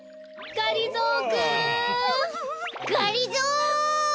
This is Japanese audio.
がりぞー！